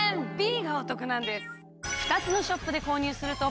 Ｂがお得なんです。